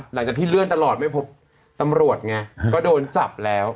หลังจากที่เลื่อนตลอดไม่พบตำรวจไงก็โดนจับแล้ว